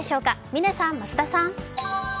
嶺さん、増田さん。